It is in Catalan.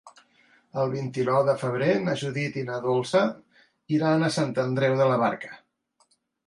El vint-i-nou de febrer na Judit i na Dolça iran a Sant Andreu de la Barca.